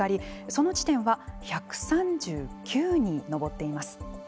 その地点は１３９に上っています。